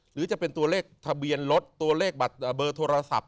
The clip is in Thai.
หรือจะเป็นตัวเลขทะเบียนรถตัวเลขเบอร์โทรศัพท์